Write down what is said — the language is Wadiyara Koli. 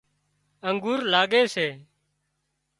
انگورلاڳي سي